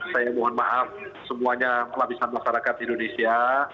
saya mohon maaf semuanya lapisan masyarakat indonesia